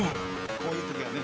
こういうときはね